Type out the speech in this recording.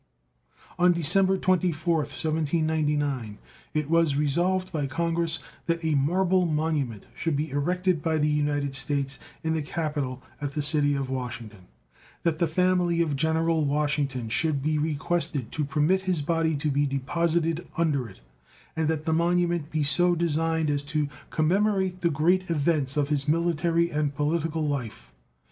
On December 24th, 1799, it was resolved by Congress that a marble monument should be erected by the United States in the Capitol at the city of Washington; that the family of General Washington should be requested to permit his body to be deposited under it, and that the monument be so designed as to commemorate the great events of his military and political life.